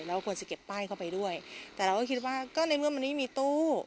ควรจะเก็บป้ายเข้าไปด้วยแต่เราก็คิดว่าก็ในเมื่อมันไม่มีตู้